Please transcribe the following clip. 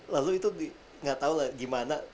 lalu itu gak tau lah gimana